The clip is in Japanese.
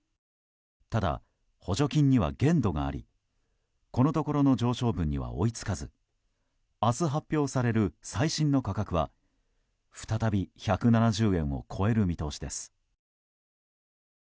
ただ、補助金には限度がありこのところの上昇分には追い付かず明日、発表される最新の価格は再び１７０円を超える見通しです。